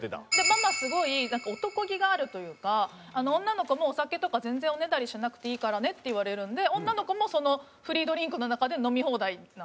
ママすごい男気があるというか女の子も「お酒とか全然おねだりしなくていいからね」って言われるんで女の子もそのフリードリンクの中で飲み放題なんですよ。